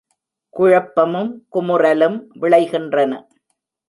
குழப்பமும் குமுறலும் விளைகின்றன.